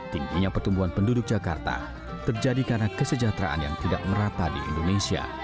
tingginya pertumbuhan penduduk jakarta terjadi karena kesejahteraan yang tidak merata di indonesia